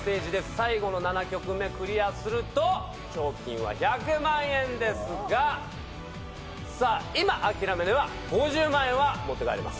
最後の７曲目クリアすると賞金は１００万円ですが。は持って帰れます。